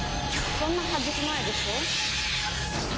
そんなはずがないでしょ。